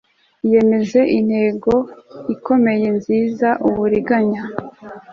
iyemeze intego, ikomeye, nziza, uburiganya